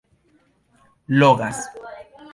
logas